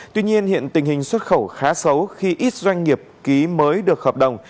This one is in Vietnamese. tuy nhiên hiện tình hình xuất khẩu khá xấu khi ít doanh nghiệp ký mới được hợp đồng